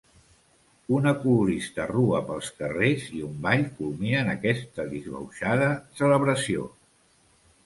Una colorista rua pels carrers i un ball culminen aquesta disbauxada celebració.